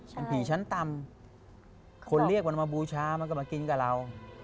เป็นผีชั้นต่ำคนเรียกมันมาบูชามันก็มากินกับเรา